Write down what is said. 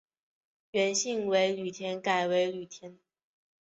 原姓为薮田改成薮田。